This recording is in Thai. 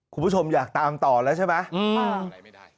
คุณผู้ชมอยากตามต่อแล้วใช่ไหมใช่ไหมไม่ได้